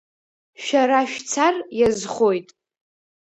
Шәара шәцар иазхоит.